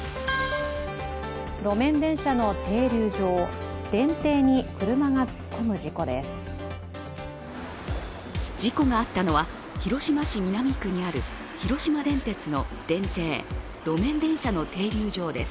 路面電車の停留所、電停に車が突っ込む事故です。